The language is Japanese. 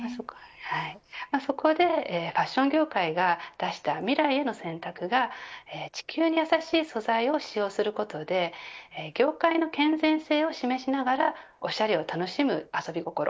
そこでファッション業界が出した未来への選択が地球に優しい素材を使用することで業界の健全性を示しながらおしゃれを楽しむ遊び心